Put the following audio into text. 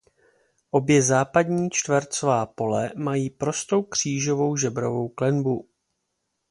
Obě západní čtvercová pole mají prostou křížovou žebrovou klenbu.